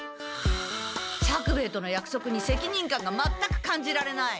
作兵衛とのやくそくに責任感が全く感じられない。